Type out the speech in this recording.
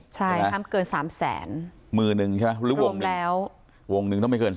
ใช่ครับเกิน๓๐๐๐๐๐